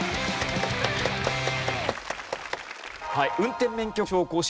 運転免許証更新